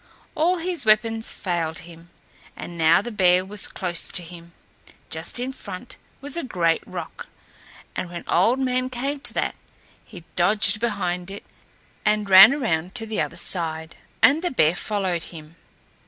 All his weapons failed him, and now the bear was close to him. Just in front was a great rock, and when Old Man came to that, he dodged behind it and ran around to the other side, and the bear followed him.